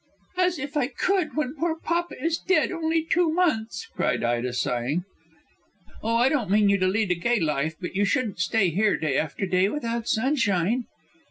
"As if I could when poor papa is dead only two months," cried Ida sighing. "Oh, I don't mean you to lead a gay life. But you shouldn't stay here day after day without sunshine."